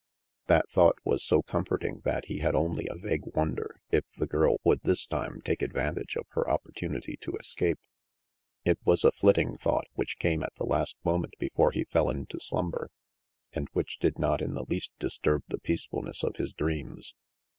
That thought was so com forting that he had only a vague wonder if the girl would this time take advantage of her opportunity to escape. It was a flitting thought which came at the last moment before he fell into slumber, and which did not in the least disturb the peacefulness of his dreams.